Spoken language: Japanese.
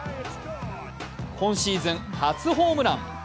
今シーズン初ホームラン。